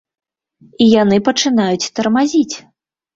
І яны пачынаюць тармазіць.